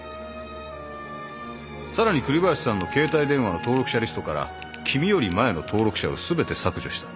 さらに栗林さんの携帯電話の登録者リストから君より前の登録者を全て削除した。